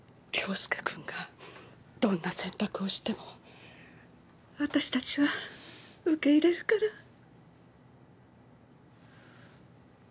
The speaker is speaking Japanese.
凌介君がどんな選択をしても私たちは受け入れるから。